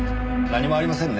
何もありませんよ。